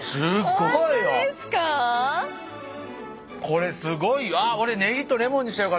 これすごいよ。